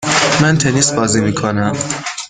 من تنیس بازی میکنم.